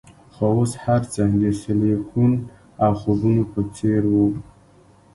خو اوس هرڅه د سیلیکون او خوبونو په څیر وو